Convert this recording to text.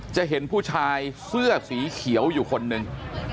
จะเห็นผู้ชายเสื้อสีเขียวอยู่คนหนึ่ง